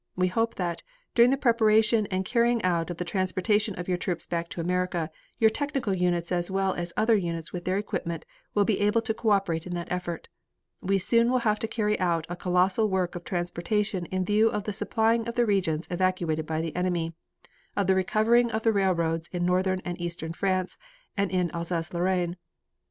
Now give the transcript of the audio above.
We hope that, during the preparation and the carrying out of the transportation of your troops back to America your technical units as well as other units with their equipment will be able to co operate in that effort. We soon will have to carry out a colossal work of transportation in view of the supplying of the regions evacuated by the enemy, of the recovering of the railroads in Northern and Eastern France and in Alsace Lorraine.